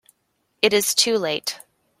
It is too late.